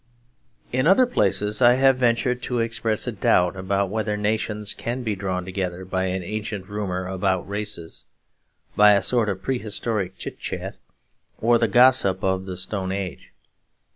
In other places I have ventured to express a doubt about whether nations can be drawn together by an ancient rumour about races; by a sort of prehistoric chit chat or the gossip of the Stone Age.